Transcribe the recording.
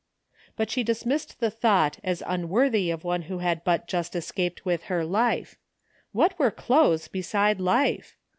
But she dismissed the thought as im worthy of one who had but just escaped with her life. What were clothes beside life?